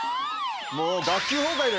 もう。